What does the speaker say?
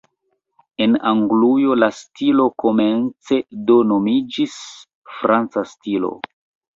En Anglujo la stilo komence do nomiĝis "franca stilo".